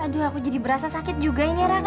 aduh aku jadi berasa sakit juga ini ya rana